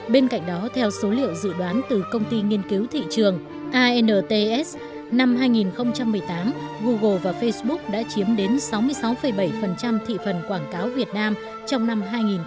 bên cạnh đó theo số liệu dự đoán từ công ty nghiên cứu thị trường ants năm hai nghìn một mươi tám google và facebook đã chiếm đến sáu mươi sáu bảy thị phần quảng cáo việt nam trong năm hai nghìn một mươi tám